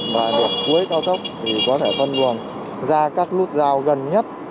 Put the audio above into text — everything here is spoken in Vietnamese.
và điểm cuối cao tốc thì có thể phân buồn ra các nút giao gần nhất